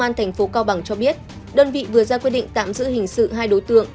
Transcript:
ngày tám tháng bốn vừa qua công an tp cao bằng cho biết đơn vị vừa ra quyết định tạm giữ hình sự hai đối tượng